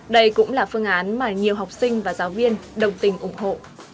đây cũng là phương án mà nhiều học sinh và giáo viên đồng tình ủng hộ